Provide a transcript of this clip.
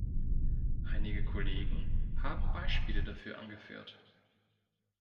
Einige Kollegen haben Beispiele dafür angeführt.